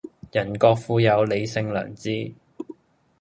人各賦有理性良知